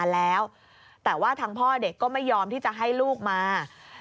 แล้วต่อมา